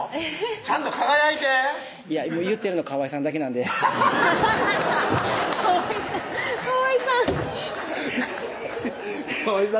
ちゃんと輝いて言ってるのかわいさんだけなんでアハハハハッかわいさんかわいさんかわいさ